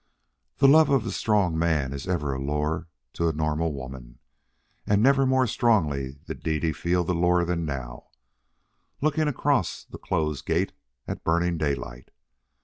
The love of a strong man is ever a lure to a normal woman, and never more strongly did Dede feel the lure than now, looking across the closed gate at Burning Daylight.